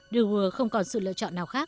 de waal không còn sự lựa chọn nào khác